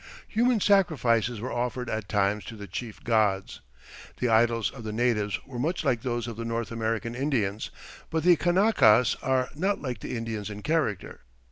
Human sacrifices were offered at times to the chief gods. The idols of the natives were much like those of the North American Indians, but the Kanakas are not like the Indians in character.